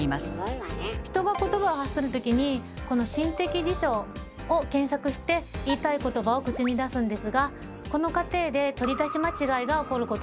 人が言葉を発する時にこの心的辞書を検索して言いたい言葉を口に出すんですがこの過程で取り出し間違いが起こることもあります。